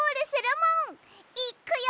いっくよ！